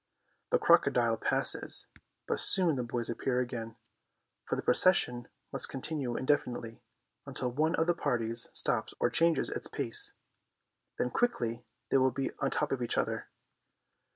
The crocodile passes, but soon the boys appear again, for the procession must continue indefinitely until one of the parties stops or changes its pace. Then quickly they will be on top of each other.